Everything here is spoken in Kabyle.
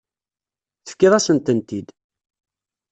Tefkiḍ-asen-tent-id.